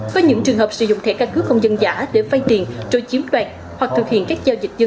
với những trường hợp sử dụng thẻ căn cứ công dân giả để phai tiền trôi chiếm đoạt hoặc thực hiện các giao dịch dân sản